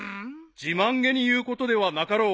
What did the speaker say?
［自慢げに言うことではなかろう］